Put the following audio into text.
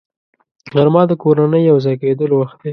غرمه د کورنۍ یو ځای کېدلو وخت دی